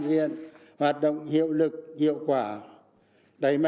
diện hoạt động hiệu lực hiệu quả